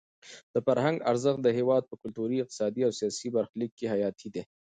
د فرهنګ ارزښت د هېواد په کلتوري، اقتصادي او سیاسي برخلیک کې حیاتي دی.